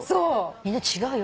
みんな違うよ。